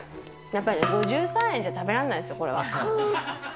やっぱりね、５３円じゃ食べられないですよ、これは。